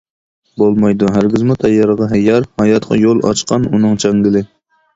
بولمايدۇ ھەرگىزمۇ تەييارغا ھەييار، ھاياتقا يول ئاچقان ئۇنىڭ چاڭگىلى.